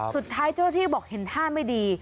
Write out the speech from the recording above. สุดท้ายเจ้าหน้าที่บอกเห็นท่าไม่ดี